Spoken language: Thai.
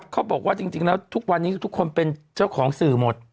เขาบอกว่าจริงแล้วทุกวันนี้ทุกคนเป็นเจ้าของสื่อหมด